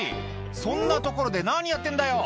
そんな所で何やってんだよ」